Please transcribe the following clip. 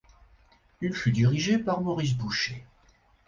Il fut dirigé par Maurice Boucher.